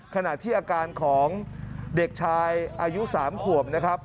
ขณะที่อาการของเด็กชายอายุ๓ขวบ